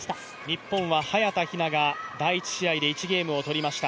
日本は早田ひなが第１試合で１ゲームを取りました。